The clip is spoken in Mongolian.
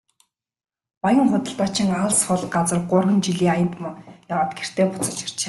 Баян худалдаачин алс хол газар гурван жилийн аянд яваад гэртээ буцаж иржээ.